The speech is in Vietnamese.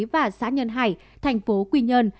và xã nhân hải thành phố quy nhân